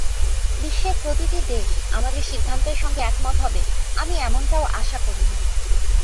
বিশ্বের প্রতিটি দেশ আমাদের সিদ্ধান্তের সঙ্গে একমত হবে—আমি এমনটাও আশা করি না।